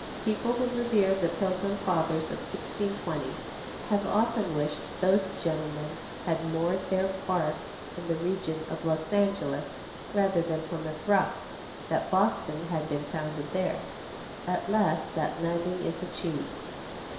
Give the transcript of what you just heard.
People who revere the Pilgrim Fathers of 1620 have often wished those gentlemen had moored their bark in the region of Los Angeles rather than Plymouth Rock, that Boston had been founded there. At last that landing is achieved.